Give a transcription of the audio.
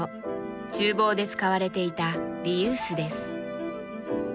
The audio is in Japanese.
ちゅう房で使われていたリユースです。